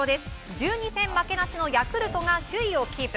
１２戦負けなしのヤクルトが首位をキープ。